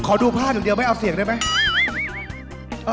ขอดูพลาดหนึ่งเดียวไหมเอาเสียงได้ไหม